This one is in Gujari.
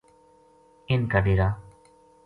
ا ِنھ کا ڈیرا